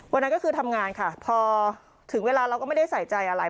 วันนั้นก็คือทำงานค่ะพอถึงเวลาเราก็ไม่ได้ใส่ใจอะไร